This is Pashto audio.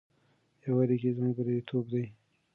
یووالي کې زموږ بریالیتوب دی.